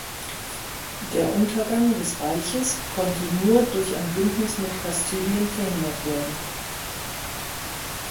Der Untergang des Reiches konnte nur durch ein Bündnis mit Kastilien verhindert werden.